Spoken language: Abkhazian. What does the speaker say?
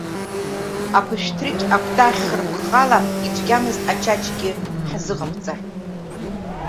Аԥышәҭрықь, акәтаӷь хырпҟала, ицәгьамызт ачаџьгьы ҳзыҟабҵар.